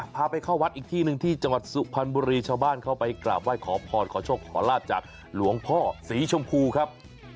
พาไปเข้าวัดอีกที่หนึ่งที่จังหวัดสุพรรณบุรีชาวบ้านเข้าไปกราบไหว้ขอพรขอโชคขอลาบจากหลวงพ่อสีชมพูครับ